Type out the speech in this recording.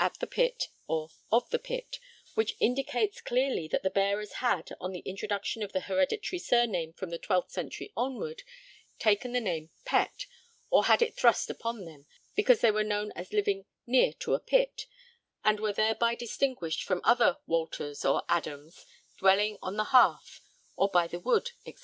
'at the pit' or 'of the pit,' which indicates clearly that the bearers had, on the introduction of the hereditary surname from the 12th century onward, taken the name 'Pet' or had it thrust upon them because they were known as living near to a pit, and were thereby distinguished from other Walters or Adams dwelling on the heath or by the wood etc.